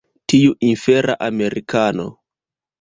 Tiu infera Amerikano!